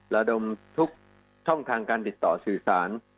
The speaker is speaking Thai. ระดมทุกช่องทางการติดต่อสื่อสาร